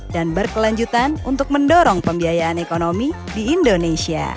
dan berkelanjutan untuk mendorong pembiayaan ekonomi di indonesia